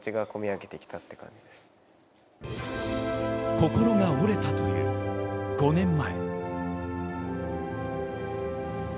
心が折れたという５年前。